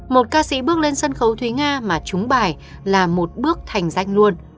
một ca sĩ bước lên sân khấu thúy nga mà chúng bài là một bước thành danh luôn